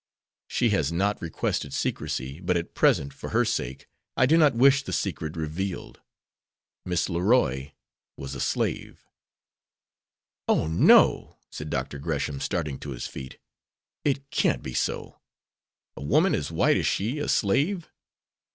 "She has not requested secrecy, but at present, for her sake, I do not wish the secret revealed. Miss Leroy was a slave." "Oh, no," said Dr. Gresham, starting to his feet, "it can't be so! A woman as white as she a slave?"